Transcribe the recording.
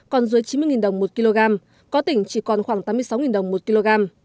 còn dưới chín mươi đồng một kg có tỉnh chỉ còn khoảng tám mươi sáu đồng một kg